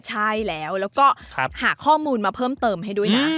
ใช่แล้วแล้วก็หาข้อมูลมาเพิ่มเติมให้ด้วยนะ